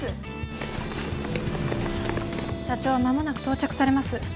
社長は間もなく到着されます。